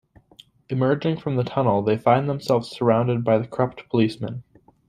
Emerging from the tunnel, they find themselves surrounded by the corrupt policemen.